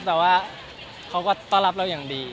แต่ว่าเขาก็ต้อนรับเราอย่างดี